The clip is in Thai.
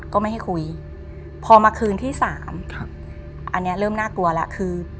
ก็ไม่ให้คุยพอมาคืนที่สามครับอันนี้เริ่มน่ากลัวแล้วคือ